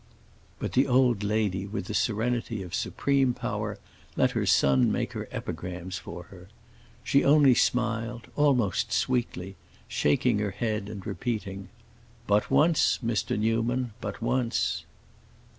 But the old lady, with the serenity of supreme power, let her son make her epigrams for her. She only smiled, almost sweetly, shaking her head and repeating, "But once, Mr. Newman; but once!"